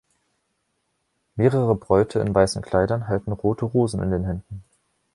Mehrere Bräute in weißen Kleidern halten rote Rosen in den Händen.